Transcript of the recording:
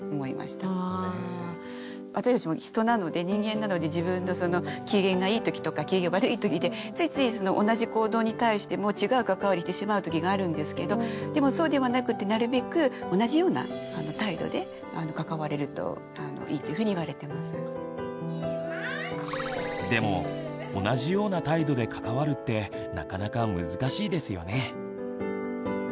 私たちも人なので人間なので自分のその機嫌がいいときとか機嫌が悪いときでついつい同じ行動に対しても違う関わりしてしまうときがあるんですけどでもそうではなくてなるべくでも同じような態度で関わるってなかなか難しいですよね？